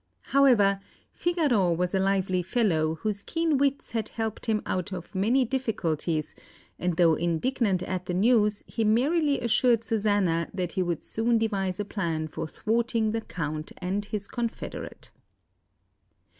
However, Figaro was a lively fellow, whose keen wits had helped him out of many difficulties; and though indignant at the news, he merrily assured Susanna that he would soon devise a plan for thwarting the Count and his confederate.